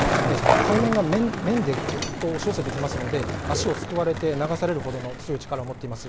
海面でごーっと押し寄せてきますので足をすくわれて流されるほどの強い力を持っています。